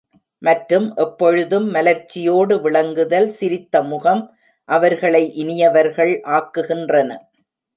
மற்றும் எப்பொழுதும் மலர்ச்சியோடு விளங்குதல், சிரித்த முகம் அவர்களை இனியவர்கள் ஆக்குகின்றன.